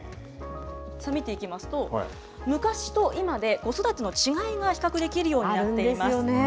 見ていきますと、昔と今で子育ての違いが比較できるようになっています。